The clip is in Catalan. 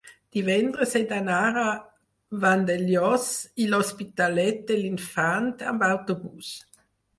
divendres he d'anar a Vandellòs i l'Hospitalet de l'Infant amb autobús.